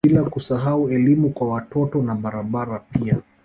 Bila kusahau elimu kwa watoto na barabara pia